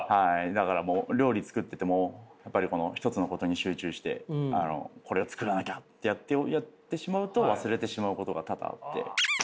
だからもう料理作っててもやっぱりこの一つのことに集中してこれを作らなきゃってやってしまうと忘れてしまうことが多々あって。